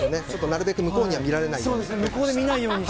なるべく向こうには見られないように。